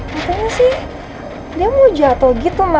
mungkinnya sih dia mau jatuh gitu ma